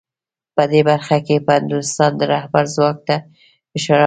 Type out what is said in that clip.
په دې برخه کې به د هندوستان د رهبر ځواک ته اشاره وکړو